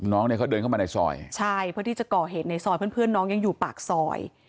น้องเนี่ยเขาเดินเข้ามาในซอยใช่เพื่อที่จะก่อเหตุในซอยเพื่อนเพื่อนน้องยังอยู่ปากซอย